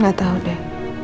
gak tahu deh